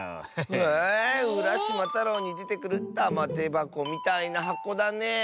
えうらしまたろうにでてくるたまてばこみたいなはこだねえ。